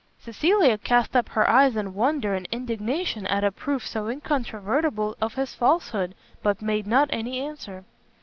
Cecilia cast up her eyes in wonder and indignation at a proof so incontrovertible of his falsehood, but made not any answer.